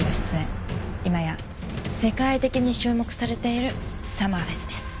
今や世界的に注目されているサマーフェスです。